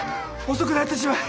遅くなってしまい。